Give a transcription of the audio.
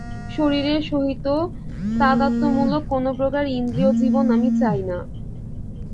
শরীরের সহিত তাদাত্ম্যমূলক কোন প্রকার ইন্দ্রিয়-জীবন আমি চাই না।